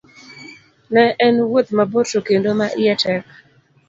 Ne en wuoth mabor to kendo ma iye tek